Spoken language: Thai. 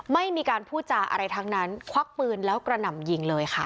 ไม่มีการพูดจาอะไรทั้งนั้นควักปืนแล้วกระหน่ำยิงเลยค่ะ